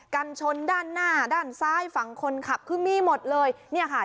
กันชนด้านหน้าด้านซ้ายฝั่งคนขับคือมีหมดเลยเนี่ยค่ะ